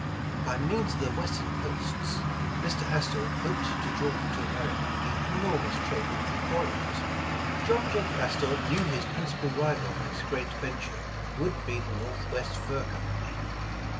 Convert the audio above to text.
By means of the western posts, Mr. Astor hoped to draw to America the enormous trade of the Orient. 156 Voyage of the Tonquin John Jacob Astor knew his principal rival in his great venture would be the Northwest Fur Com pany.